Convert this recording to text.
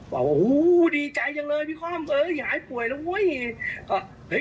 ว่าโอ้โฮดีใจจังเลยพี่ค่อมหายป่วยแล้วเว้ย